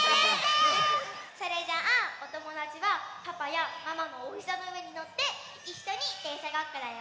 それじゃおともだちはパパやママのおひざのうえにのっていっしょにでんしゃごっこだよ。